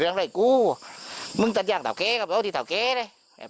เรื่องอะไรกูมึงจะย่างเต่าเก๊ก็บอกว่าที่เต่าเก๊เลย